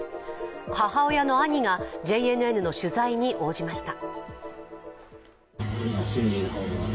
母親の兄が、ＪＮＮの取材に応じました。